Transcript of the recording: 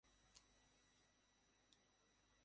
আপনাদের বাইরে দাঁড় করে রাখা যৌতুকের গাড়িটা আছে না?